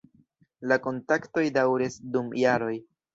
La kontaktoj daŭris dum jaroj.